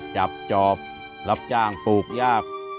จับจอบรับจ้างปลูกยาก